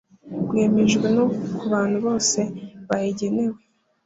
bwemejwe no ku bantu bose bayigenewe